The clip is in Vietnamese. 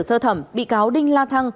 sơ thẩm bị cáo đinh la thăng